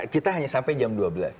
kita hanya sampai jam dua belas